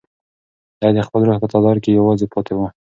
دی د خپل روح په تالار کې یوازې پاتې و.